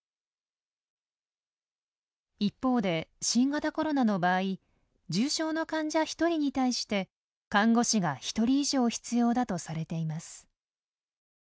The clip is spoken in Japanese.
一方で新型コロナの場合重症の患者１人に対して看護師が１人以上必要だとされています。